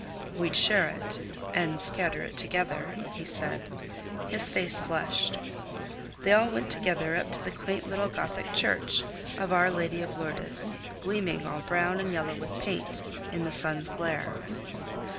"We'd share it, and scatter it together," he said. His face flushed. They all went together up to the quaint little Gothic church of Our Lady of Lourdes, gleaming all brown and yellow with paint in the sun's glare.